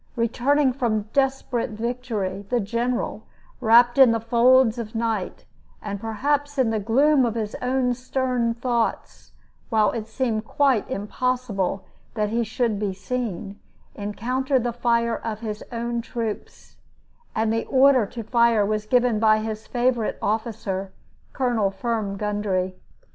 Returning from desperate victory, the general, wrapped in the folds of night, and perhaps in the gloom of his own stern thoughts, while it seemed quite impossible that he should be seen, encountered the fire of his own troops; and the order to fire was given by his favorite officer, Colonel Firm Gundry.